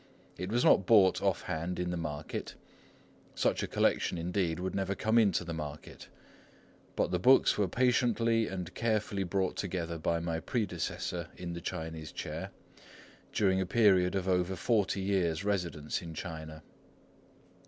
It was not bought off hand in the market,—such a collection indeed would never come into the market,—but the books were patiently and carefully brought together by my predecessor in the Chinese chair during a period of over forty years' residence in China.